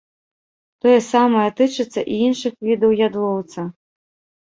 Тое самае тычыцца і іншых відаў ядлоўца.